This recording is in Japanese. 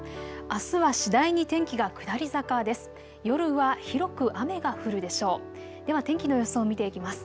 あすは次第に天気が下り坂です。